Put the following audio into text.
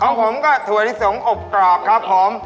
ของผมก็ถั่วลิสงอบกรอบครับผม